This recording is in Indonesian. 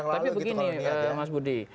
tapi begini mas budi